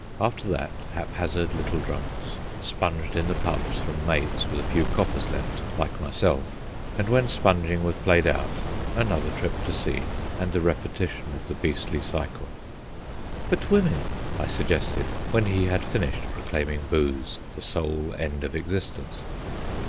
After that, haphazard little drunks, sponged in the "pubs" from mates with a few coppers left, like myself, and when sponging was played out another trip to sea and a repetition of the beastly cycle. "But women," I suggested, when he had finished proclaiming booze the sole end of existence.